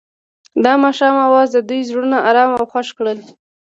د ماښام اواز د دوی زړونه ارامه او خوښ کړل.